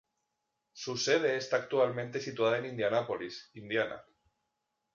Su sede está actualmente situada en Indianápolis, Indiana.